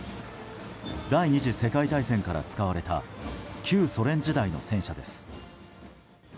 第２次世界大戦から使われた旧ソ連時代の戦車です。